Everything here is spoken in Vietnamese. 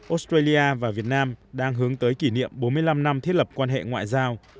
australia và việt nam đang hướng tới kỷ niệm bốn mươi năm năm thiết lập quan hệ ngoại giao